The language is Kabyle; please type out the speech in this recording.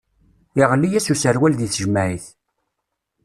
Iɣli-yas userwal di tejmaɛit.